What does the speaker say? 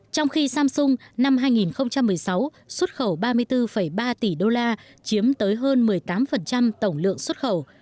trong khi samsung năm hai nghìn một mươi sáu xuất khẩu ba mươi bốn ba tỷ đô la chiếm tới hơn một mươi tám tổng lượng xuất khẩu